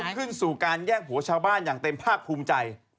ก็คือการแย่งผัวชาวบ้านอย่างเต็มพากพูมใจ